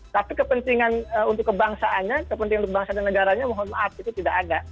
tapi kepentingan untuk kebangsaannya kepentingan untuk bangsa dan negaranya mohon maaf itu tidak ada